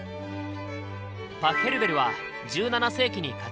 パッヘルベルは１７世紀に活躍した人だ。